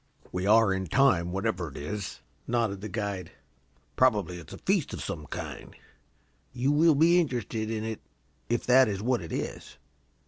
"We are in time, whatever it is," nodded the guide. "Probably it's a feast of some kind. You will be interested in it, if that is what it is."